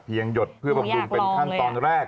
เพียงหยดเพื่อการบำรุงเป็นขั้นตอนแรก